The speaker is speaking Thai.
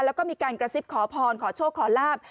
แล้วก็มีการกระซิบขอพรขอโชคขอลาบ